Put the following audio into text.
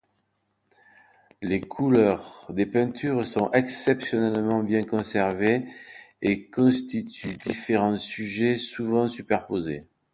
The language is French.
Les couleurs des peintures sont exceptionnellement bien conservées et constituent différents sujets souvent superposés.